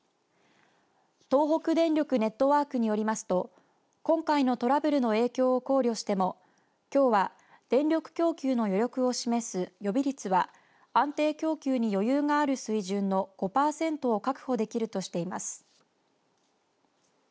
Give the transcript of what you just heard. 東北電力ネットワークによりますと今回のトラブルの影響を考慮してもきょうは、電力供給の余力を示す予備率は安定供給に余裕がある水準の５パーセントを確保できるとしています。